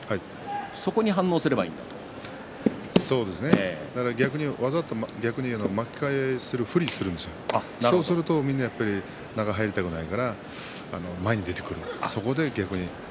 そこに反応すればいいんだと逆に言うと巻き替えをするふりをするんですよ、そうするとみんな中に入られたくないから前に出てきますね